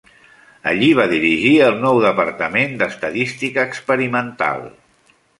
Allí va dirigir el nou departament d'Estadística Experimental.